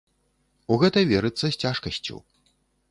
У гэта верыцца з цяжкасцю.